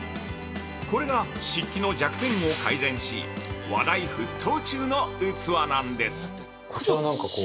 これが漆器の弱点を改善し話題沸騰中の器なんです。